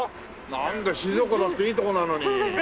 なんだ静岡だっていいとこなのに。